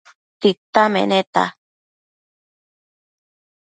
Tita meneta